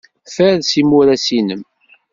Faṛes imuras-inem.